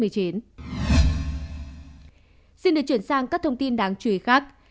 xin được chuyển sang các thông tin đáng chú ý khác